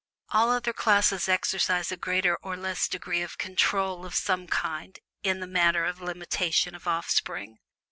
All other classes exercise a greater or less degree of "control" of some kind in the matter of limitation of offspring.